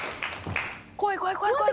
怖い怖い怖い怖い怖い！